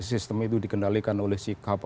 sistem itu dikendalikan oleh sikap